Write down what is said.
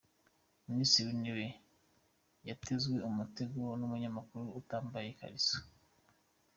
Minisitiri w’intebe yatezwe umutego w’umunyamakuru utambaye ikariso